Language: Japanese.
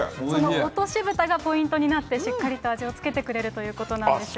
落としぶたがポイントになって、しっかりと味を付けてくれるということなんですよ。